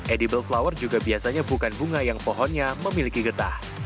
edible flower juga biasanya bukan bunga yang pohonnya memiliki getah